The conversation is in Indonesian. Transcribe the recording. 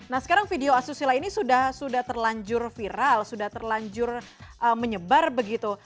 nah sekarang video asusila ini sudah terlanjur viral sudah terlanjur menyebar begitu